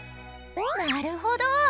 なるほど。